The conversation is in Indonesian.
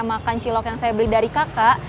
makan cilok yang saya beli dari kakak